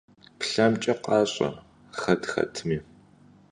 ПлъэкӀмэ, къащӀэ хэт хэтми!